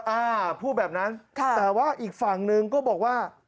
อ่าพูดแบบนั้นค่ะแต่ว่าอีกฝั่งหนึ่งก็บอกว่า